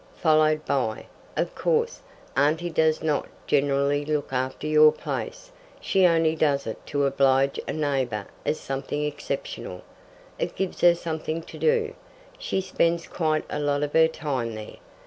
Followed by: "Of course, auntie does not generally look after your place; she only does it to oblige a neighbour as something exceptional. It gives her something to do. She spends quite a lot of her time there.